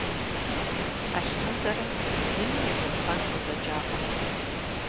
Алъандэрэ зыми и губгъэн къызэкӀакъым.